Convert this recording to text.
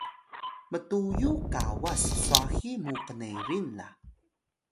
mtuyu kawas swahi mu knerin la